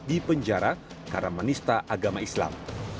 di penjara karena menista agama islam